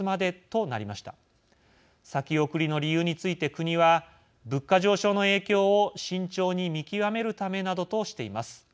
先送りの理由について国は物価上昇の影響を慎重に見極めるためなどとしています。